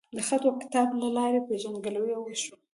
د خط وکتابت لۀ لارې پېژنګلو اوشوه